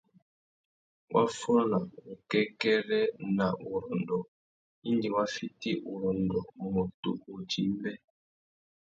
Wa fôna wukêkêrê na wurrôndô indi wa fiti urrôndô MUTU wudjï-mbê.